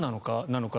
なのか